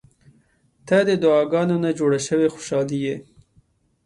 • ته د دعاګانو نه جوړه شوې خوشالي یې.